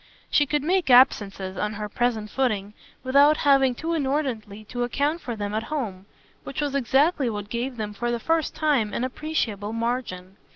She could make absences, on her present footing, without having too inordinately to account for them at home which was exactly what gave them for the first time an appreciable margin.